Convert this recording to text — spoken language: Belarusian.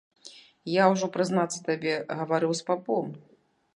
Я ўжо, прызнацца табе, гаварыў з папом.